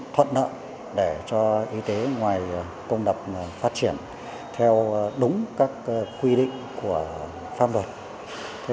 thuận nợ để cho y tế ngoài công đập phát triển theo đúng các quy định của pháp luật